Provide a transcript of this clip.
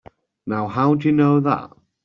Now how'd you know that?